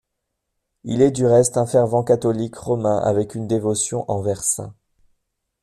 Il est du reste un fervent catholique romain avec une dévotion envers St.